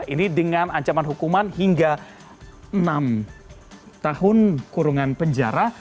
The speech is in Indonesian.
ini dengan ancaman hukuman hingga enam tahun kurungan penjara